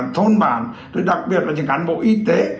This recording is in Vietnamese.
thì đặc biệt là những cán bộ y tế